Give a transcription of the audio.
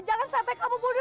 jangan sampai kamu bunuh